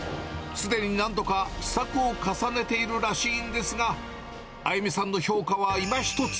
すでに何度か試作を重ねているらしいんですが、歩さんの評価はいまひとつ。